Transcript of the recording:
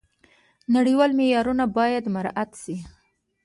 نړیوال معیارونه باید مراعات شي.